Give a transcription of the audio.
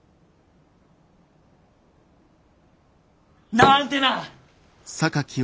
なんてな。